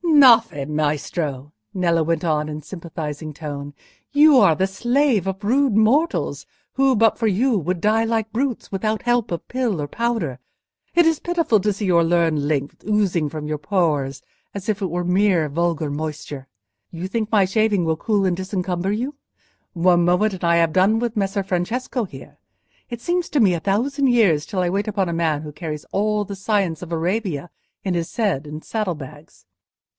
"Gnaffè, Maestro," Nello went on, in a sympathising tone, "you are the slave of rude mortals, who, but for you, would die like brutes, without help of pill or powder. It is pitiful to see your learned lymph oozing from your pores as if it were mere vulgar moisture. You think my shaving will cool and disencumber you? One moment and I have done with Messer Francesco here. It seems to me a thousand years till I wait upon a man who carries all the science of Arabia in his head and saddle bags.